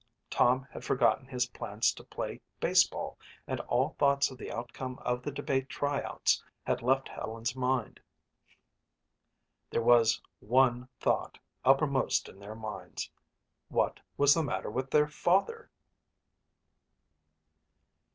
Tom had forgotten his plans to play baseball and all thought of the outcome of the debate tryouts had left Helen's mind. There was one thought uppermost in their minds. What was the matter with their father?